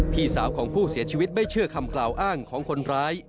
พี่สาวของผู้เสียชีวิตไม่เชื่อคำกล่าวอ้างของคนร้าย